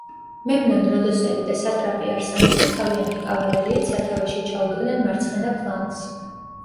მემნონ როდოსელი და სატრაპი არსამესი თავიანთი კავალერიით სათავეში ჩაუდგნენ მარცხენა ფლანგს.